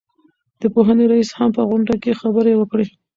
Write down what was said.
د پوهنې رئيس هم په غونډه کې خبرې وکړې.